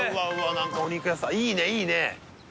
何かお肉屋さんいいねいいね！